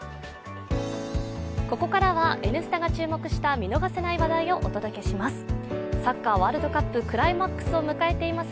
ここからは「Ｎスタ」が注目した見逃せない話題をお届けします。